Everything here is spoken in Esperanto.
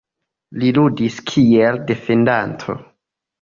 Li ludis kiel defendanto.